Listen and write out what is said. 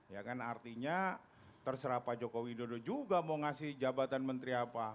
ya kan artinya terserah pak jokowi dodo juga mau ngasih jabatan menteri apa